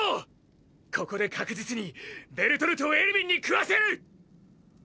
ここで確実にベルトルトをエルヴィンに食わせる！！